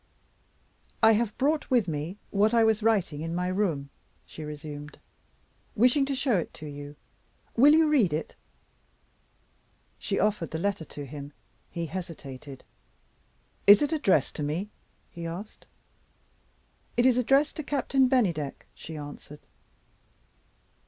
"I have brought with me what I was writing in my own room," she resumed, "wishing to show it to you. Will you read it?" She offered the letter to him. He hesitated. "Is it addressed to me?" he asked. "It is addressed to Captain Bennydeck," she answered.